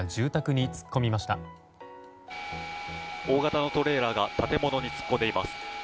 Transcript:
大型のトレーラーが建物に突っ込んでいます。